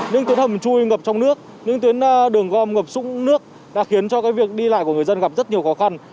những tuyến đường gom chui ngập trong nước những tuyến đường gom ngập sụng nước đã khiến cho việc đi lại của người dân gặp rất nhiều khó khăn